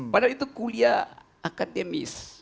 padahal itu kuliah akademis